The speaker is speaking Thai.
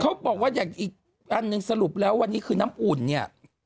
เขาบอกว่าอย่างอีกอันหนึ่งสรุปแล้ววันนี้คือน้ำอุ่นเนี่ย